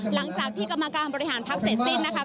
หลังจากที่กรรมการบริหารพักเสร็จสิ้นนะคะ